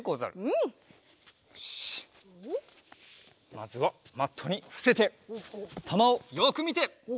まずはマットにふせてたまをよくみて。